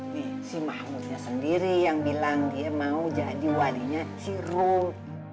nih si mahmudnya sendiri yang bilang dia mau jadi walinya ciruh